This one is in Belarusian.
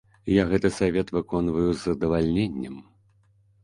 Я гэты савет выконваю з задавальненнем.